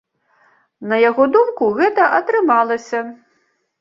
На яго думку, гэта атрымалася.